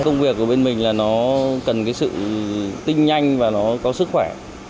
công việc của bên mình cần sự tinh nhanh và có sức khỏe